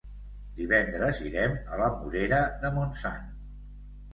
Divendres irem a la Morera de Montsant.